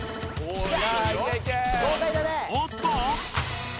おっと！？